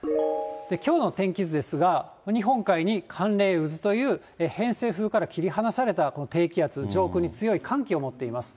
きょうの天気図ですが、日本海に寒冷渦という偏西風から切り離されたこの低気圧、上空に強い寒気を持っています。